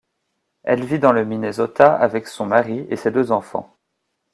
Elle vit dans le Minnesota avec son mari et ses deux enfants.